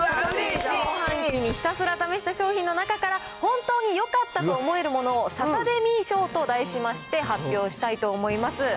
下半期にひたすら試した商品の中から、本当によかったと思えるものを、サタデミー賞と題しまして、発表したいと思います。